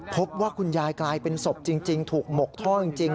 พบว่าคุณยายกลายเป็นศพจริงถูกหมกท่อจริง